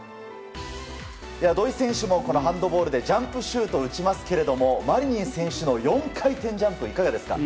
土井選手もハンドボールでジャンプシュートを打ちますけどマリニン選手の４回転ジャンプいかがですか？